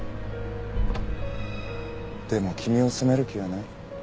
でも君を責める気はない。